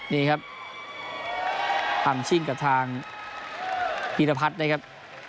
นี่ครับทำชิ้นกับทางฮิรพัฒน์นะครับ